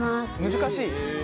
難しい？